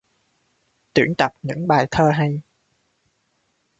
Tuyển tập những bài thơ hay